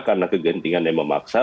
karena kegentingan yang memaksa